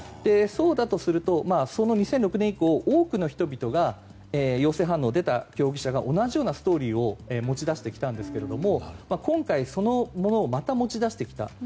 そうだとすると２００６年以降多くの人々が陽性反応出た競技者が同じようなストーリーを持ち出してきたんですけども今回それをまた持ち出してきた。